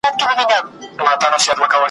پر تندي مي سجده نسته له انکار سره مي ژوند دی ,